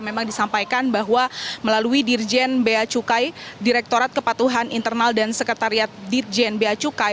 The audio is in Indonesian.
memang disampaikan bahwa melalui dirjen bea cukai direktorat kepatuhan internal dan sekretariat dirjen bea cukai